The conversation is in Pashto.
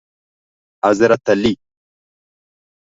حضرت علی